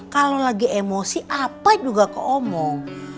kalau lagi emosi apa juga keomong